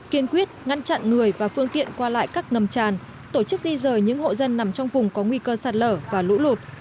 kiên quyết ngăn chặn người và phương tiện qua lại các ngầm tràn tổ chức di rời những hộ dân nằm trong vùng có nguy cơ sạt lở và lũ lụt